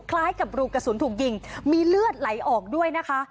คล้ายกับรูกระสุนถูกยิงมีเลือดไหลออกด้วยนะคะ